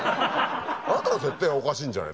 あなたの設定がおかしいんじゃない？